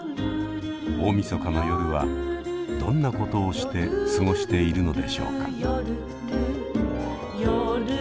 大みそかの夜はどんなことをして過ごしているのでしょうか？